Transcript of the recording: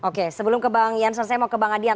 oke sebelum ke bang jansen saya mau ke bang adian